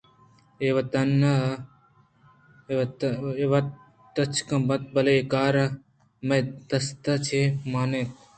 اے وت تچک بیت بلئے اے کار مئے دست ءَ چہ مہ روت